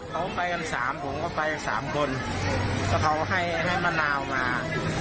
เขาไปกันสามผมก็ไปกันสามคนก็เขาให้ให้มะนาวมา